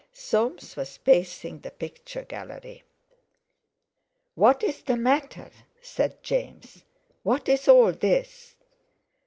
Soames was pacing the picture gallery. "What's the matter?" said James. "What's all this?"